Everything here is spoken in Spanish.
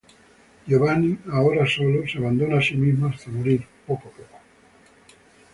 Giovanni, ahora solo, se abandona a sí mismo hasta morir poco a poco.